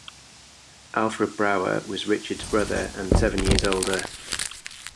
Alfred Brauer was Richard's brother and seven years older.